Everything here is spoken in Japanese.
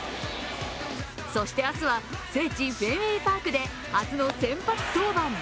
そして、明日は聖地フェンウェイ・パークで初の先発登板。